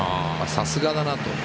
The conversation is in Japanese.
さすがだなと。